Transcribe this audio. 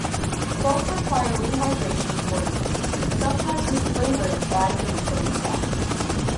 Both require rehydration before use, sometimes with flavoring added in the same step.